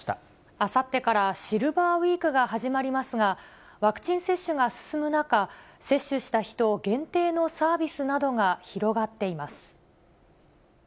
あさってからシルバーウィークが始まりますが、ワクチン接種が進む中、接種した人限定のサービスなどが広がっています。